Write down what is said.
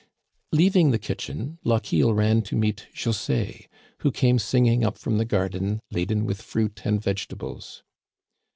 Leaving the kitchen, Lochiel ran to meet José, who came singing up from the garden, laden with fruit and vegetables.